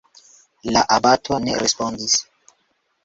La abato ne respondis.